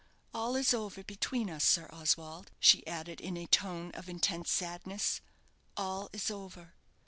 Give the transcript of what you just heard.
All is over between us, Sir Oswald," she added, in a tone of intense sadness "all is over.